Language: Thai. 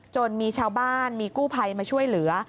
จนมีชาวบ้านมีกู้ภัยมาช่วยเหลือ